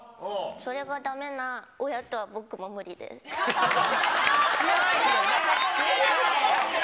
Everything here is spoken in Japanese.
それがだめな親とは僕も無理強い。